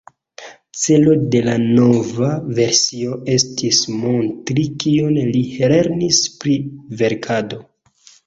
Celo de la nova versio estis montri kion li lernis pri verkado.